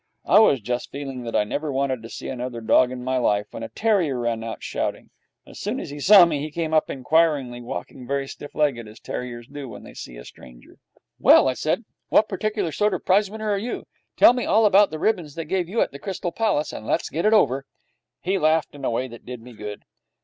I was just feeling that I never wanted to see another dog in my life, when a terrier ran out, shouting. As soon as he saw me, he came up inquiringly, walking very stiff legged, as terriers do when they see a stranger. 'Well,' I said, 'and what particular sort of a prize winner are you? Tell me all about the ribbons they gave you at the Crystal Palace, and let's get it over.' He laughed in a way that did me good.